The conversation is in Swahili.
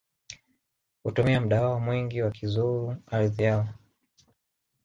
Hutumia muda wao mwingi wakizuru ardhi yao